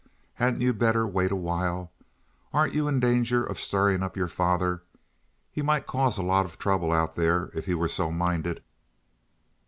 Hadn't you better wait a while? Aren't you in danger of stirring up your father? He might cause a lot of trouble out there if he were so minded."